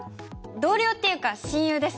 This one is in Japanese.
同僚っていうか親友です。